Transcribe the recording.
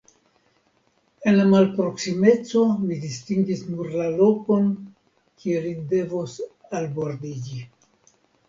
En la malproksimeco mi distingis nur la lokon, kie li devos albordiĝi.